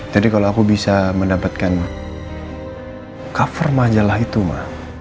jadi kalau aku bisa mendapatkan cover majalah itu ma